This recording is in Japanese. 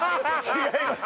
違います